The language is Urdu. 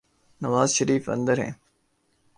نوازشریف اندر ہیں۔